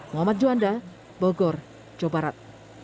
mohd juanda bogor joparat